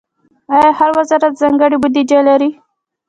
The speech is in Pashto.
آیا هر وزارت ځانګړې بودیجه لري؟